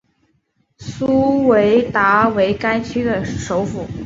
苏韦达为该区的首府。